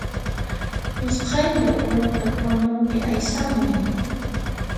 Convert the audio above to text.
Usqhaylla unuta p'uñuypi aysamuy